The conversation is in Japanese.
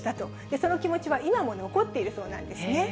その気持ちは今も残っているそうなんですね。